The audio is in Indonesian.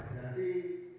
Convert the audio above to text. tim lembutan cnn indonesia